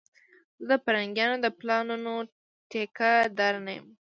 زه د پرنګيانو د پلانونو ټيکه دار نه یم